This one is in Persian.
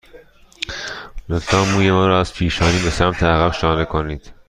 لطفاً موی مرا از پیشانی به سمت عقب شانه کنید.